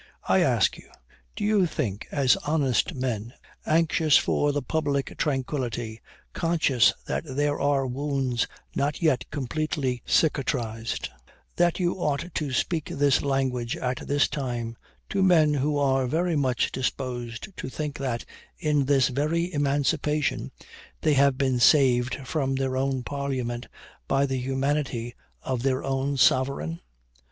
I ask you, do you think, as honest men anxious for the public tranquility, conscious that there are wounds not yet completely cicatrized, that you ought to speak this language at this time to men who are very much disposed to think that, in this very emancipation, they have been saved from their own Parliament by the humanity of their own sovereign?